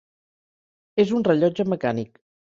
És un rellotge mecànic.